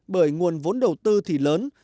bởi nguồn vốn đầu tư thì lớn